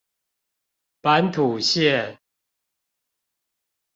板土線